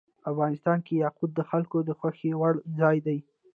افغانستان کې یاقوت د خلکو د خوښې وړ ځای دی.